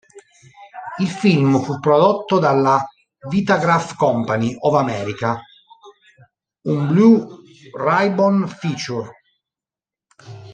Il film fu prodotto dalla Vitagraph Company of America, un Blue Ribbon Feature.